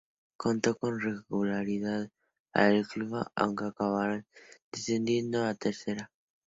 Contó con regularidad para el club, aunque acabaron descendiendo a tercera.